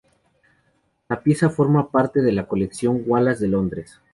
La pieza forma parte de la Colección Wallace, de Londres.